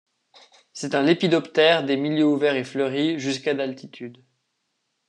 C'est un lépidoptère des milieux ouverts et fleuris, jusqu'à d'altitude.